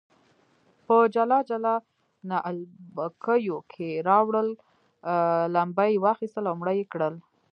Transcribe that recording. په جلا جلا نعلبکیو کې راوړل، لمبه یې واخیستل او مړه یې کړل.